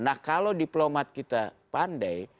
nah kalau diplomat kita pandai